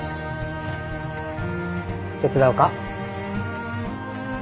手伝うか？